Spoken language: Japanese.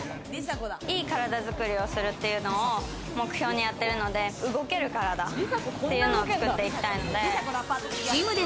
いい体作りをするっていうのを目標にやってるので、動ける体っていうのを作っていきたいので。